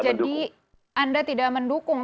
jadi anda tidak mendukung